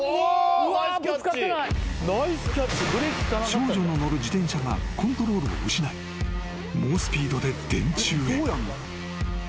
［少女の乗る自転車がコントロールを失い猛スピードで電柱へ］